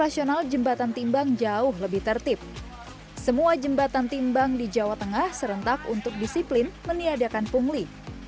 semua jembatan timbang di jawa tengah serentak untuk disiplin meniadakan pungli